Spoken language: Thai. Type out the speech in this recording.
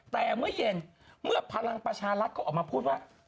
แต่เมื่อเย็นเมื่อพลังประชารัฐเขาออกมาพูดว่า